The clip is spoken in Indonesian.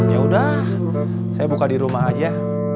ya udah saya buka di rumah aja